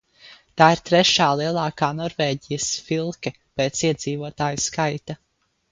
Tā ir trešā lielākā Norvēģijas filke pēc iedzīvotāju skaita.